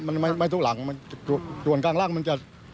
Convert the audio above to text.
มันไม่ทุกหลังส่วนกลางล่างมันจะ